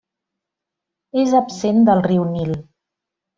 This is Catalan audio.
És absent del riu Nil.